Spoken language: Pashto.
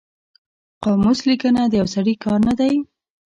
قاموس لیکنه د یو سړي کار نه دی